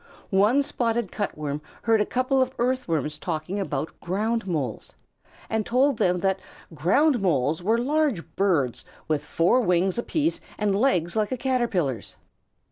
One Spotted Cut Worm heard a couple of Earthworms talking about Ground Moles, and told them that Ground Moles were large birds with four wings apiece and legs like a Caterpillar's.